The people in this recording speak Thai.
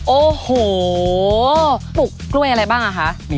โอ้โหปลูกกล้วยอะไรบ้างอ่ะคะ